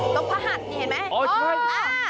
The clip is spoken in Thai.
ตรงผ่านนี่เห็นไหม